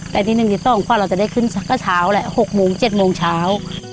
ไปตีหนึ่งตีสองความเราจะได้ขึ้นก็เช้าแหละ๖โมง๗โมงเช้า